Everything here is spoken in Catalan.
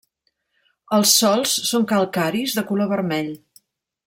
Els sòls són calcaris de color vermell.